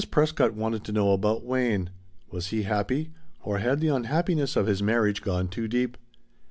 Prescott wanted to know about Wayne. Was he happy, or had the unhappiness of his marriage gone too deep?